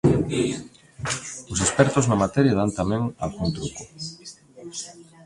Os expertos na materia dan tamén algún truco.